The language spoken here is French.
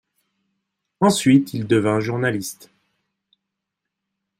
Ensuite il devint journaliste.